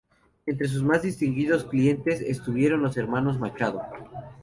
Entre sus más distinguidos clientes estuvieron los hermanos Machado.